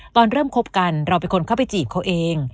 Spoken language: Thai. ตอนเริ่มคบกันเราเป็นคนเข้าไปจีบเขาเอง